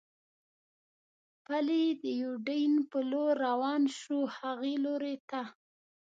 پلي د یوډین په لور روان شو، هغې لارې ته.